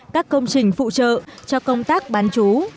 các công trình phụ trợ cho công tác bán chú